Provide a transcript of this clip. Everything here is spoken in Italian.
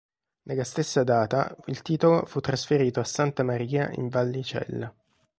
Nella stessa data il titolo fu trasferito a Santa Maria in Vallicella.